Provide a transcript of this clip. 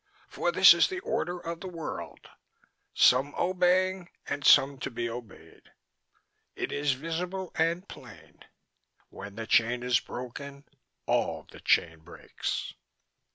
For this is the order of the world: some obeying and some to be obeyed. It is visible and plain. When the chain is broken all the chain breaks."